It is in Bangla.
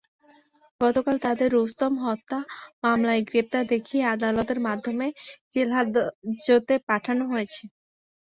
গতকাল তাঁদের রুস্তম হত্যা মামলায় গ্রেপ্তার দেখিয়ে আদালতের মাধ্যমে জেলহাজতে পাঠানো হয়েছে।